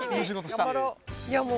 頑張ろう。